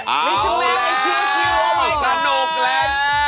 เอาแล้วสนุกแล้ว